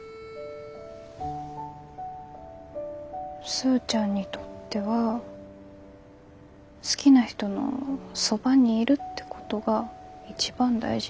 スーちゃんにとっては好きな人のそばにいるってことが一番大事なんだって。